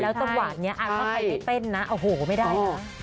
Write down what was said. จังหวะนี้ถ้าใครไม่เต้นนะโอ้โหไม่ได้นะ